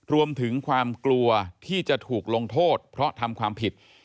รวมถึงความกลัวที่จะถูกลงโทษเพราะทำความผิด